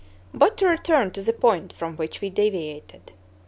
But to return to the point from which we deviated.